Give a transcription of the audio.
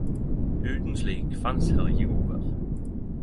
Utan slikt fanns her ikkje godvèr.